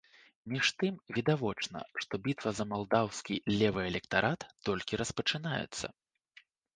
Між тым, відавочна, што бітва за малдаўскі левы электарат толькі распачынаецца.